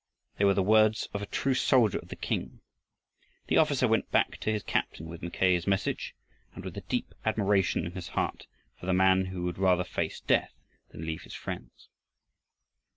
They were the words of a true soldier of the King. The officer went back to his captain with Mackay's message and with a deep admiration in his heart for the man who would rather face death than leave his friends.